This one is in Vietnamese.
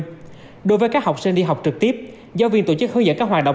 và phụ huynh đối với các học sinh đi học trực tiếp giáo viên tổ chức hướng dẫn các hoạt động